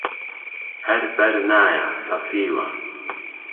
ههر بهرنایه پهسیوه